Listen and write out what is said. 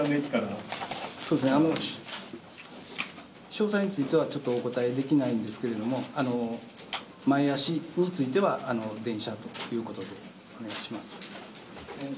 詳細についてはお答えできないんですけれども前足については電車ということでお願いします。